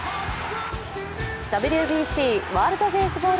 ＷＢＣ＝ワールドベースボール